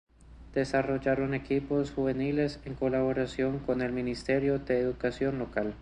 Desarrollan equipos juveniles en colaboración con el ministerio de educación local.